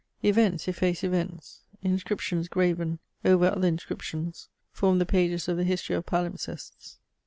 Events efface events; inscriptions graven over other inscriptions form the pages of the History of Palimpsestes.